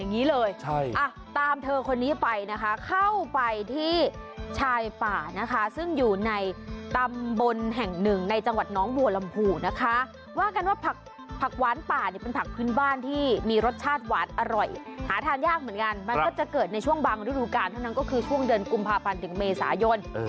ในช่วงบางรูปการณ์เท่านั้นก็คือช่วงเดินกุมภาพันธุ์ถึงเมษายน